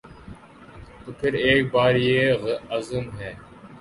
تو پھر ایک بار یہ عزم ہے